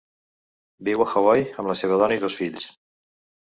Viu a Hawaii amb la seva dona i dos fills.